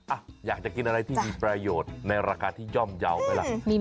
อะอยากจะกินอะไรที่ดีประโยชน์ในราคาที่โย่มเยาว์ครับ